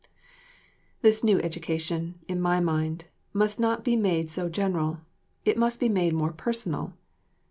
This new education, in my mind, must not be made so general; it must be made more personal.